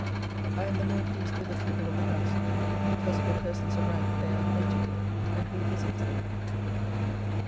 I am the more pleased with the people of the house, because of the persons of rank they are acquainted with, and who visits them.